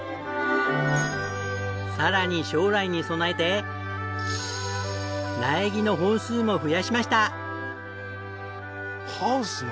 さらに将来に備えて苗木の本数も増やしました！